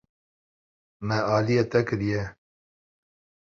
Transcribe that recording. Me alî te kiriye.